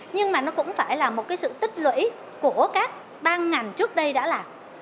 nhưng mà nó cũng phải là một cái sự tích lũy của các ban ngành trước đây đã làm